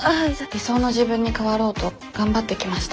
理想の自分に変わろうと頑張ってきました。